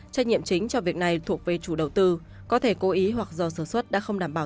trách nhiệm chính cho việc này thuộc về chủ đầu tư có thể cố ý hoặc do sản xuất đã không đảm bảo